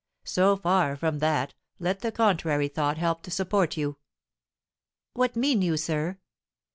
"So far from that, let the contrary thought help to support you." "What mean you, sir?"